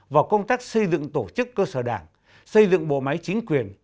vào công tác xây dựng tổ chức cơ sở đảng xây dựng bộ máy chính quyền